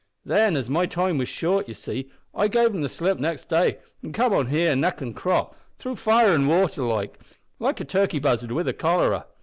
Then, as my time was short, you see, I gave 'em the slip nixt day an' comed on here, neck an' crop, through fire an' water, like a turkey buzzard wi' the cholera.